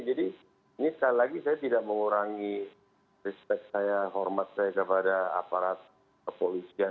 jadi ini sekali lagi saya tidak mengurangi respect saya hormat saya kepada aparat kepolisinya